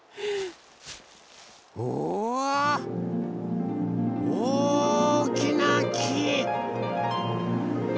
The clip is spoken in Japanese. うわおおきなき！